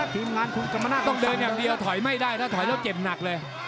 ต้องเดินอย่างเดียวถอยไม่ได้ถ้าถอยแล้วเจ็บหนักเลย